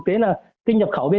vâng nhà em đang có chút việc